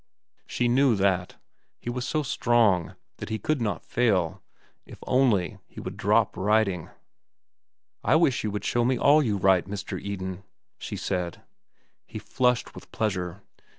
She knew that. He was so strong that he could not fail—if only he would drop writing. "I wish you would show me all you write, Mr. Eden," she said. He flushed with pleasure.